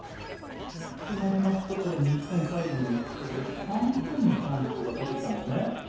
日本最後の１投で３点のチャンスが出てきたんですね。